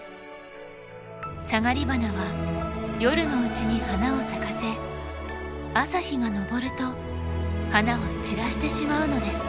サガリバナは夜のうちに花を咲かせ朝日が昇ると花を散らしてしまうのです。